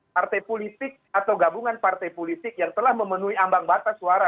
partai politik atau gabungan partai politik yang telah memenuhi ambang batas suara